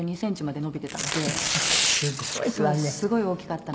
すごい大きかったので。